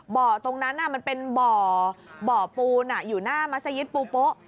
เบาะตรงนั้นอ่ะมันเป็นเบาะเบาะปูน่ะอยู่หน้ามัศยิตปูโปะ